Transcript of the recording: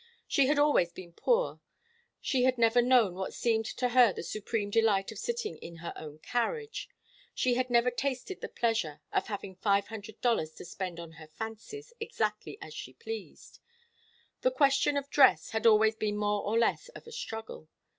She had always been poor. She had never known what seemed to her the supreme delight of sitting in her own carriage. She had never tasted the pleasure of having five hundred dollars to spend on her fancies, exactly as she pleased. The question of dress had always been more or less of a struggle.